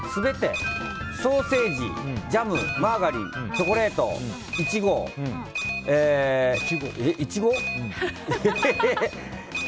ソーセージ、ジャムマーガリン、チョコレートイチゴ、イチゴ？